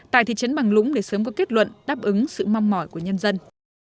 tại thị trấn bằng lũng để sớm có kết luận đáp ứng sự mong mỏi của nhân dân